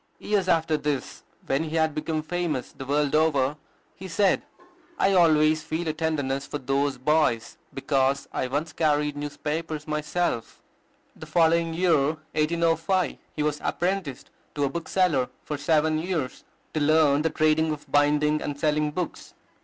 Years after this, when he had become famous the world over, he said, "I always feel a tenderness for those boys, because I once carried newspapers myself." [Illustration: MICHAEL FARADAY.] The following year, 1805, he was apprenticed to a bookseller for seven years, to learn the trade of binding and selling books.